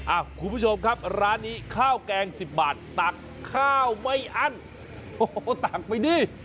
คุณผู้ชมครับร้านนี้ข้าวแกงสิบบาทตักข้าวไม่อั้นโอ้โหตักไปดิ